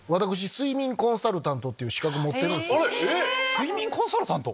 睡眠コンサルタント！